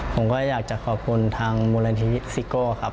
ผมก็อยากจะขอบคุณทางมูลนิธิซิโก้ครับ